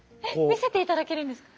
見せていただけるんですか？